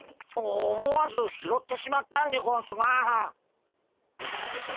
お思わず拾ってしまったんでゴンスが。